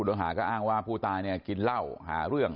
โดยหาก็อ้างว่าผู้ตายเนี่ยกินเหล้าหาเรื่อง